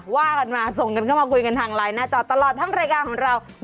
ว่ากันมาส่งกันเข้ามาคุยกันทางไลน์หน้าจอตลอดทั้งรายการของเรา